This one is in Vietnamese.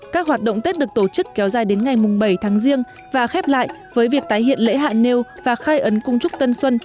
các hoạt động tết được tổ chức kéo dài đến ngày bảy tháng riêng và khép lại với việc tái hiện lễ hạ nêu và khai ấn công trúc tân xuân